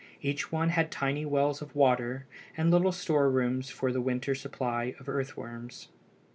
Each one had tiny wells of water, and little storerooms for the winter supply of earthworms.